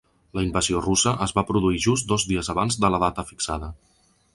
La invasió russa es va produir just dos dies abans de la data fixada.